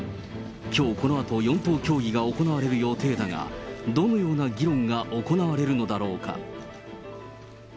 きょうこのあと、４党協議が行われる予定だが、どのような議論が行われるのだろうか。